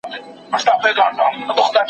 د پولي پالیسۍ سمون اړین دی.